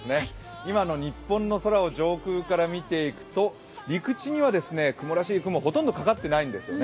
今の日本の空を上空から見ていくと、陸地には雲らしい雲、ほとんどかかってないんですよね。